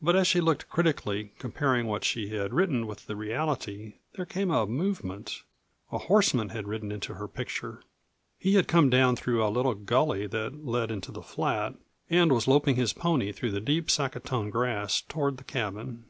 But as she looked, critically comparing what she had written with the reality, there came a movement a horseman had ridden into her picture. He had come down through a little gully that led into the flat and was loping his pony through the deep saccatone grass toward the cabin.